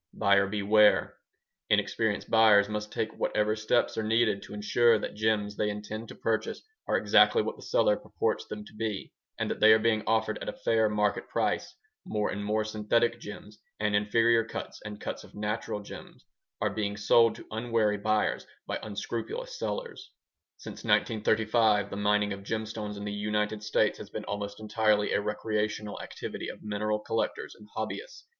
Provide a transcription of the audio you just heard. Buyer beware Inexperienced buyers must take whatever steps are needed to ensure that gems they intend to purchase are exactly what the seller purports them to be and that they are being offered at a fair market price. More and more synthetic gemsŌĆöand inferior grades and cuts of natural gemsŌĆöare being sold to unwary buyers by unscrupulous sellers. Since 1935, the mining of gemstones in the United States has been almost entirely a recreational activity of mineral collectors and hobbyists.